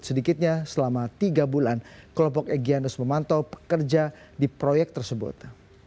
sedikitnya selama tiga bulan kelompok egyanus memantau pekerja di proyek tersebut